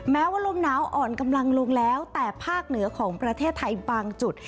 แม้ว่าลมหนาวอ่อนกำลังลงแล้วแต่ภาคเหนือของประเทศไทยบางจุด